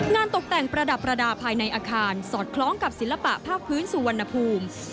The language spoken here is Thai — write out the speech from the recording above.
ตกแต่งประดับประดาษภายในอาคารสอดคล้องกับศิลปะภาคพื้นสุวรรณภูมิ